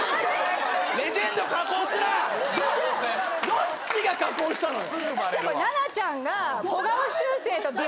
どっちが加工したのよ。